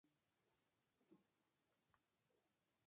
کله مې چې د خلکو څخه د دې کلا گانو په اړوند پوښتنه وکړه،